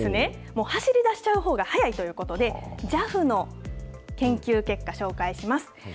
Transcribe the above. もう走りだしちゃうほうが早いということで、ＪＡＦの研究結果、紹介します。